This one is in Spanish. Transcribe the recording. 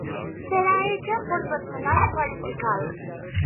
Será hecha por personal cualificado.